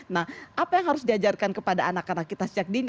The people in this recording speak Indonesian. nah apa yang harus diajarkan kepada anak anak kita sejak dini